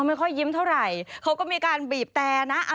ไม่ค่อยยิ้มเท่าไหร่เขาก็มีการบีบแต่นะ